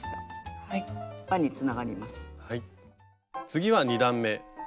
次は２段め。